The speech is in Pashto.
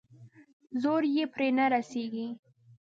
زور يې پرې نه رسېږي.